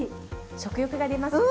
食欲が出ますよね。